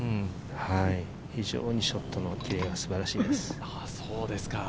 非常にショットのキレが素晴らしいです。